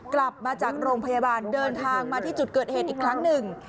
กลับมาจากโรงพยาบาลเดินทางมาที่จุดเกิดเหตุอีกครั้งหนึ่ง